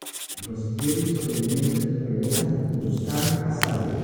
Los Jedi sobrevivientes regresan a Coruscant a salvo.